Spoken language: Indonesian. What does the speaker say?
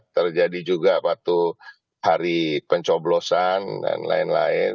terjadi juga waktu hari pencoblosan dan lain lain